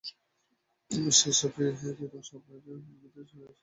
সেই ছাপেরই কিয়দংশ আপনার চোখেমুখে লেপ্টে আছে, তাই না?